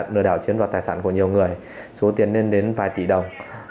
lừa đảo chiếm đoạt tài sản của nhiều người số tiền lên đến vài tỷ đồng